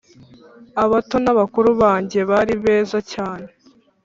abato n bakuru banjye bari beza cyane